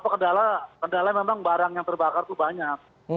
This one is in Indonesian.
kendala memang barang yang terbakar itu banyak